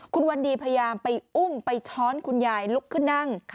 คุณวันดีพยายามไปอุ้มไปช้อนคุณยายลุกขึ้นนั่ง